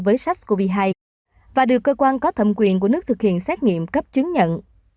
với sars cov hai và được cơ quan có thẩm quyền của nước thực hiện xét nghiệm cấp chứng nhận